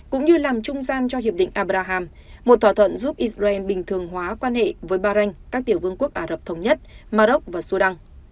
cũng như làm trung gian cho hiệp định abraham một thỏa thuận giúp israel bình thường hóa quan hệ với bahranh các tiểu vương quốc ả rập thống nhất mà rốc và sudan